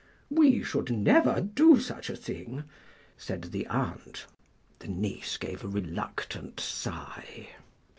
"We should never do such a thing," said the aunt. The niece gave a reluctant sigh.